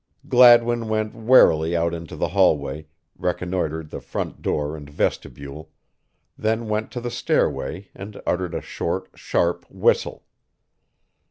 Gladwin went warily out into the hallway, reconnoitered the front door and vestibule, then went to the stairway and uttered a short, sharp whistle.